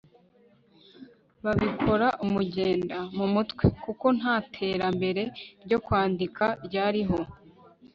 babikora umugenda (mu mutwe) kuko ntaterambere ryo kwandika ryariho